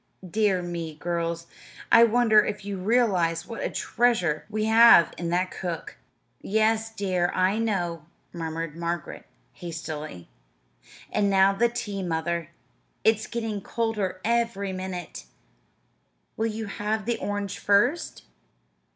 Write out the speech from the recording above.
Dear me, girls, I wonder if you realize what a treasure we have in that cook!" "Yes, dear, I know," murmured Margaret hastily. "And now the tea, Mother it's getting colder every minute. Will you have the orange first?"